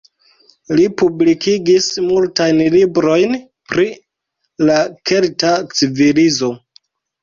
Li publikigis multajn librojn pri la kelta civilizo.